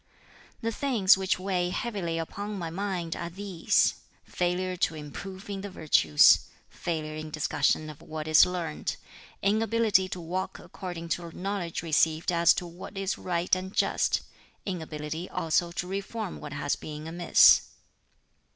"The things which weigh heavily upon my mind are these failure to improve in the virtues, failure in discussion of what is learnt, inability to walk according to knowledge received as to what is right and just, inability also to reform what has been amiss."